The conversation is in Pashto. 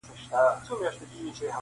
• بس یو نوبت وو درته مي تېر کړ -